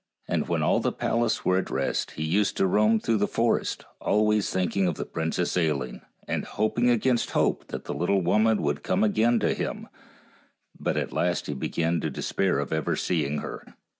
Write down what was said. And when all in the pal ace were at rest he used to roam through the forest, always thinking of the Princess Ailinn, and hoping against hope that the little woman would come again to him, but at last he began to despair of ever seeing her.